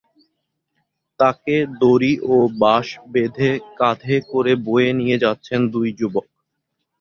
তাকে দড়ি ও বাঁশ বেঁধে কাঁধে করে বয়ে নিয়ে যাচ্ছেন দুই যুবক।